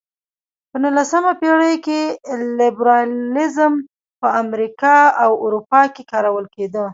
په نولسمه پېړۍ کې لېبرالیزم په امریکا او اروپا کې کارول کېده.